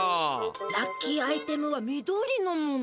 ラッキーアイテムは緑のもの。